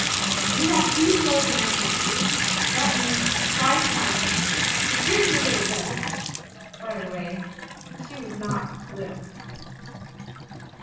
We have two shows a night next week — that means five pounds to me. Good for little Betty!' By the way, she was not little.